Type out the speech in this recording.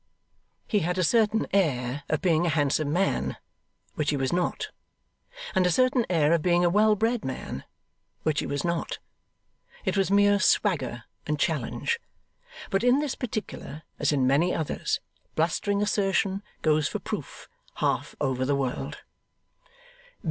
He had a certain air of being a handsome man which he was not; and a certain air of being a well bred man which he was not. It was mere swagger and challenge; but in this particular, as in many others, blustering assertion goes for proof, half over the world.